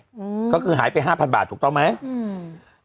อืมก็คือหายไปห้าพันบาทถูกต้องไหมอืม